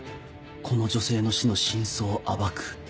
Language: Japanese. この女性の死の真相を暴く。